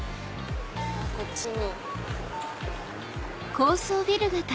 こっちに。